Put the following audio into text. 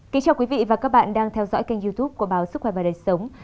kính chào quý vị và các bạn đang theo dõi kênh youtube của báo sức khỏe và đời sống